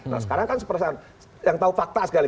nah sekarang kan yang tahu fakta sekali